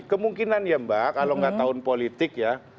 kemungkinan ya mbak kalau nggak tahun politik ya